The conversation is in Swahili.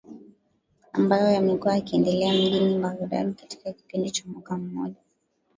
ambayo yamekuwa yakiendelea mjini Baghdad katika kipindi cha mwaka mmoja